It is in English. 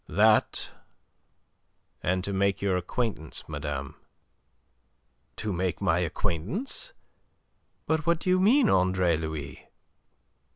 "That, and to make your acquaintance, madame." "To make my acquaintance? But what do you mean, Andre Louis?"